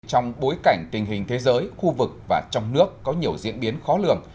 trong bối cảnh tình hình thế giới khu vực và trong nước có nhiều diễn biến khó lường